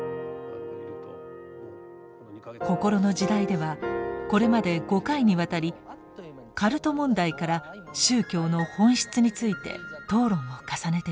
「こころの時代」ではこれまで５回にわたりカルト問題から宗教の本質について討論を重ねてきました。